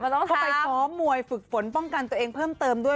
เข้าไปซ้อมมวยฝึกฝนป้องกันตัวเองเพิ่มเติมด้วย